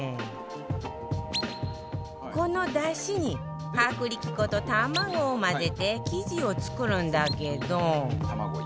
この出汁に薄力粉と卵を混ぜて生地を作るんだけど